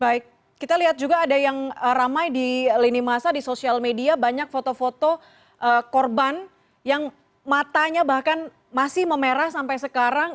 baik kita lihat juga ada yang ramai di lini masa di sosial media banyak foto foto korban yang matanya bahkan masih memerah sampai sekarang